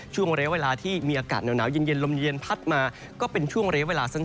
ช่วงระยะเวลาที่มีอากาศหนาวเย็นลมเย็นพัดมาก็เป็นช่วงระยะเวลาสั้น